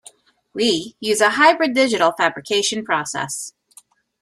We use a hybrid digital fabrication process.